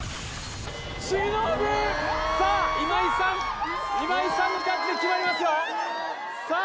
ＳＨＩＮＯＢＵさあ今井さん今井さんのジャッジで決まりますよさあ